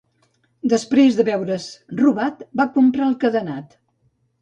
Després de veure's robat, va comprar el cadenat.